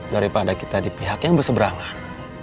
daripada kita di pihak yang berseberangan